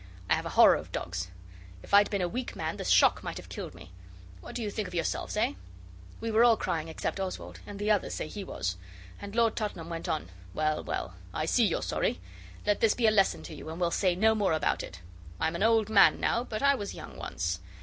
I have a horror of dogs. If I'd been a weak man the shock might have killed me. What do you think of yourselves, eh?' We were all crying except Oswald, and the others say he was; and Lord Tottenham went on 'Well, well, I see you're sorry. Let this be a lesson to you; and we'll say no more about it. I'm an old man now, but I was young once.